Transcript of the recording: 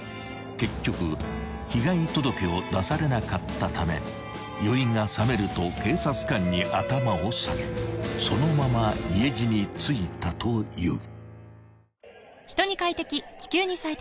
［結局被害届を出されなかったため酔いがさめると警察官に頭を下げそのまま家路についたという］